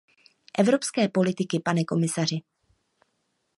Evropské politiky, pane komisaři!